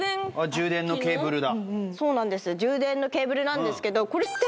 充電ケーブルを？